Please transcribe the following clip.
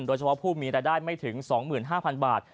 โดยเฉพาะผู้มีรายได้ไม่ถึง๒๕๐๐๐บาท